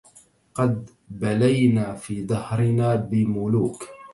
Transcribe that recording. قد بلينا في دهرنا بملوك